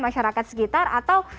masyarakat sekitar atau